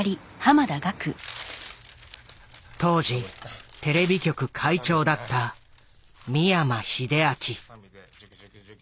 当時テレビ局会長だった三山秀昭。